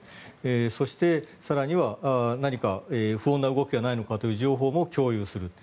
そして、更には何か不穏な動きがないのかという情報も共有する。